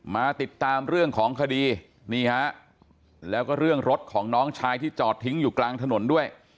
มาติดตามเรื่องของคดีนี่ฮะแล้วก็เรื่องรถของน้องชายที่จอดทิ้งอยู่กลางถนนด้วย